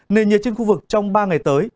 nền nhiệt trên khu vực trong ba ngày tới